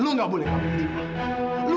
lu gak boleh ngambil dia dok